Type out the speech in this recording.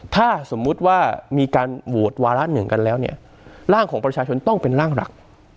ถ้าสมมุติว่ามีการโหวตวาระหนึ่งกันแล้วเนี่ยร่างของประชาชนต้องเป็นร่างหลัก